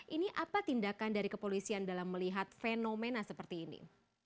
ini apa tindakan dari kepolisian dalam melihat fenomena seperti ini